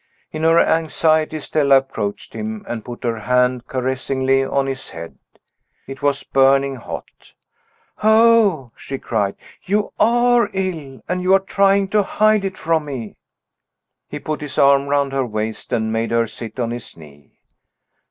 In her anxiety, Stella approached him, and put her hand caressingly on his head. It was burning hot. "O!" she cried, "you are ill, and you are trying to hide it from me." He put his arm round her waist and made her sit on his knee.